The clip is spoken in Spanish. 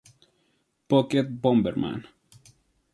Pocket Bomberman